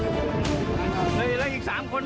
เหยียบแล้วโทรเหยียบแล้วโทรอ้าวช่วยกันช่วยกัน